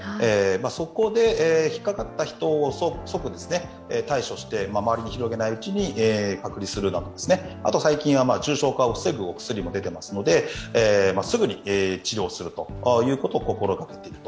そこで引っかかった人を即対処して周りに広げないうちに隔離するなどしたり最近は重症化を防ぐお薬も出ていますので、すぐに治療するということを心がけていると。